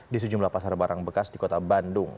di sejumlah pasar barang bekas di kota bandung